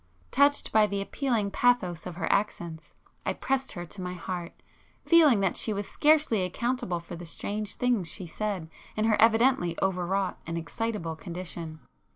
Touched by the appealing pathos of her accents, I pressed her to my heart, feeling that she was scarcely accountable for the strange things she said in her evidently overwrought and excitable condition.